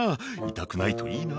痛くないといいな」